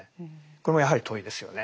これもやはり問いですよね。